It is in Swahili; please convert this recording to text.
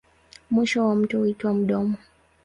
Mwisho wa mto huitwa mdomo.